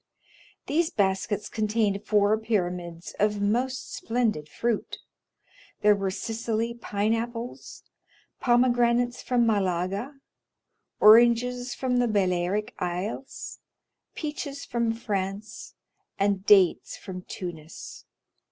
These baskets contained four pyramids of most splendid fruit; there were Sicily pine apples, pomegranates from Malaga, oranges from the Balearic Isles, peaches from France, and dates from Tunis.